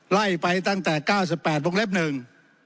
ไล่ไปตั้งแต่๙๘วงเล็บหนึ่ง